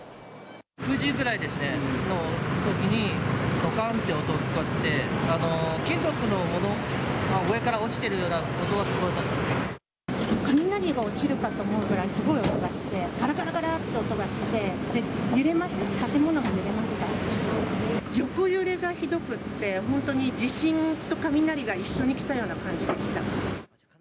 ９時ぐらいですね、のときに、どかんって音がして、金属のものが上から落ちてるような音が聞こ雷が落ちるかと思うぐらい、すごい音がして、がらがらがらっと音がして、揺れました、建物が横揺れがひどくって、本当に地震と雷が一緒に来たような感じでした。